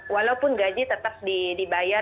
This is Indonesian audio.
walaupun gaji tetap dibayar